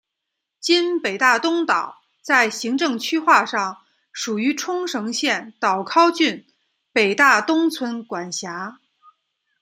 今北大东岛在行政区划上属于冲绳县岛尻郡北大东村管辖。